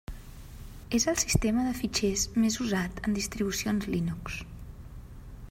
És el sistema de fitxers més usat en distribucions Linux.